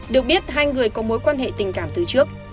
được biết hai người có mối quan hệ tình cảm từ trước